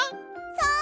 そう！